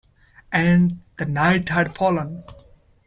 And the night had fallen.